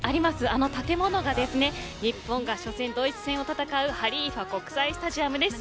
あの建物が日本が初戦ドイツ戦を戦うハリーファ国際スタジアムです。